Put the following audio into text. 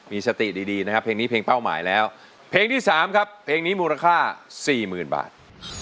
มีสติดีนะครับเพลงนี้เพลงเป้าหมายแล้วเพลงที่๓ครับเพลงนี้มูลค่า๔๐๐๐บาท